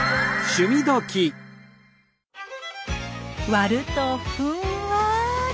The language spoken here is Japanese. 割るとふんわり。